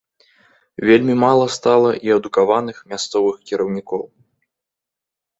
Вельмі мала стала і адукаваных мясцовых кіраўнікоў.